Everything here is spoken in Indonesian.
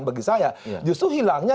bagi saya justru hilangnya